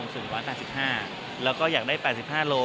สูง๑๘๕แล้วก็อยากได้๘๕โล